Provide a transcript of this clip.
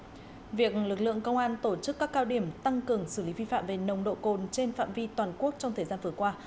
vì vậy việc lực lượng công an tổ chức các cao điểm tăng cường xử lý vi phạm về nồng độ cồn trên phạm vi toàn quốc trong thời gian vừa qua